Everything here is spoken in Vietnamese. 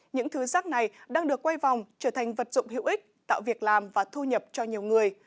những thứ rác này đang được quay vòng trở thành vật dụng hữu ích tạo việc làm và thu nhập cho nhiều người